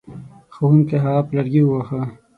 ښوونکی هغه په لرګي وهي.